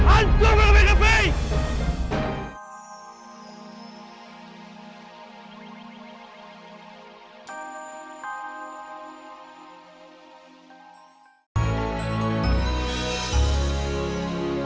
aku akan membuatmu mati